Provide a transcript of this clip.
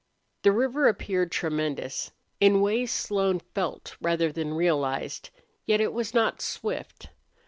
The river appeared tremendous, in ways Slone felt rather than realized, yet it was not swift.